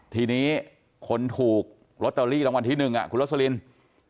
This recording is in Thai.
ทีนี้คนถูกรอตเตอรี่รางวัลที่๑คุณลักษณีย์ลักษณีย์ลินดิ์